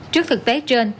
trước thực tế trên